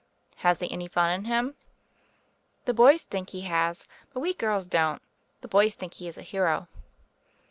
"Has he any fun in him?" "The boys think he has; but we girls don't. The boys think he is a hero."